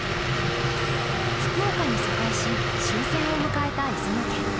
福岡に疎開し終戦を迎えた磯野家。